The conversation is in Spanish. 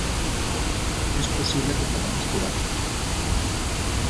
es posible que podamos curarlos .